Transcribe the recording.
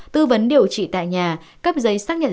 tư vấn điều trị tại nhà cấp giấy xác nhận